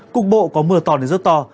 cục bộ có mưa to đến rất to